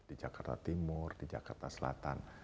di jakarta timur di jakarta selatan